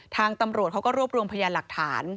ทางตำรวจเขาก็รวบรวมพยานหลักฐาน